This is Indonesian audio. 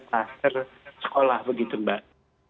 kluster sekolah begitu mbak